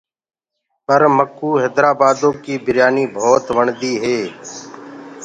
پر مڪو هيدرآبآدو ڪيٚ بِريآنيٚ ڀوت وڻديٚ هي۔